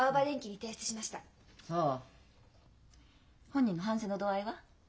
本人の反省の度合いは？